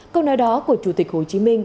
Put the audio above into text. câu nói đó của chủ tịch hồ chí minh